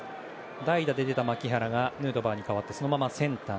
代打で出た牧原がヌートバーに代わってそのままセンター。